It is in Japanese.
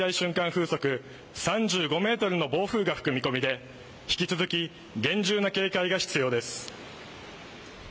風速３５メートルの暴風が吹く見込みで引き続き、厳重な警戒が必要です。